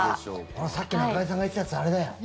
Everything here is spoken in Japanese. さっき中居さんが言ってたやつ、あれだよ。